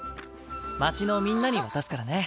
町のみんなに渡すからね。